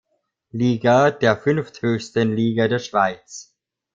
Liga, der fünfthöchsten Liga der Schweiz.